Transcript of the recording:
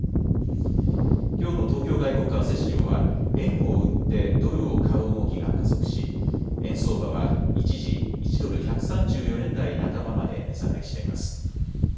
きょうの東京外国為替市場は円を売ってドルを買う動きが加速し、円相場は一時、１ドル１３４円台半ばまで値下がりしています。